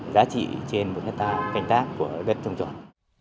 giá trị trên bộ nhân tài kinh tế của đất trồng tròn